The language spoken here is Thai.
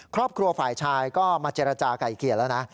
ครอบครัวฝ่ายชายก็มาเจรจาไก่เกลี่ยแล้วนะ